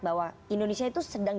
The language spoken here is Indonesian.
bahwa indonesia itu secara ekonomi